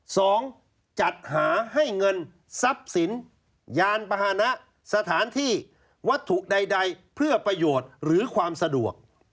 สองจัดหาให้เงินทรัพย์สินยานพาหนะสถานที่วัตถุใดเพื่อประโยชน์หรือความสะดวก